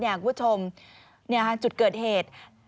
อย่างคุณผู้ชมจุดเกิดเหตุ